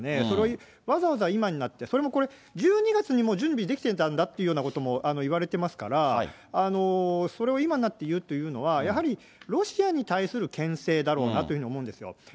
それをわざわざ今になって、それもこれ、１２月にもう準備できてたんだというようなことも言われてますから、それを今になって言うというのは、やはりロシアに対するけん制だろうなというふうに思うんですよ。